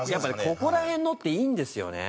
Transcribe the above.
ここら辺のっていいんですよね。